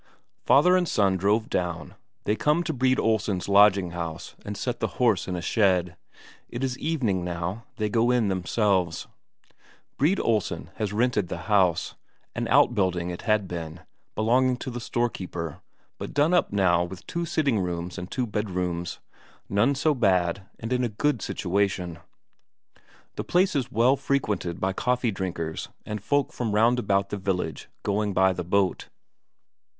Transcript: Father and son drive down, they come to Brede Olsen's lodging house and set the horse in a shed. It is evening now. They go in themselves. Brede Olsen has rented the house; an outbuilding it had been, belonging to the storekeeper, but done up now with two sitting rooms and two bedrooms; none so bad, and in a good situation. The place is well frequented by coffee drinkers and folk from round about the village going by the boat.